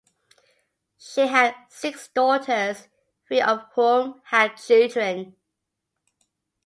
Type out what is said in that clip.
She had six daughters, three of whom had children.